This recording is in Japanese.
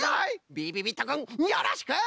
びびびっとくんよろしく！